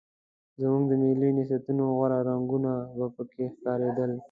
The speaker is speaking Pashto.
زموږ د ملي نصیحتونو غوره رنګونه به پکې ښکارېدل.